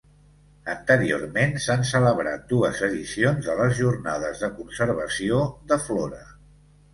Anteriorment s'han celebrat dues edicions de les Jornades de Conservació de Flora.